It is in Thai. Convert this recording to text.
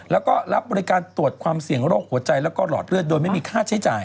แล้วก็รับบริการตรวจความเสี่ยงโรคหัวใจแล้วก็หลอดเลือดโดยไม่มีค่าใช้จ่าย